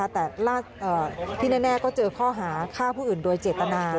แต่ที่แน่ก็เจอข้อหาฆ่าผู้อื่นโดยเจตนา